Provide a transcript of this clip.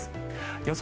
予想